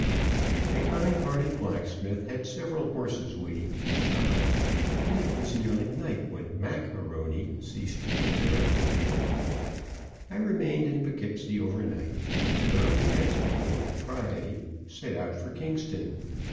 The kind hearted blacksmith had several horses waiting to be shod, and it was nearly night when Mac A'Rony ceased to be a "bare foot boy." I remained in Po'keepsie over night, and early next day, Friday, set out for Kingston.